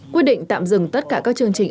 quyết định tạm dừng tất cả các chương trình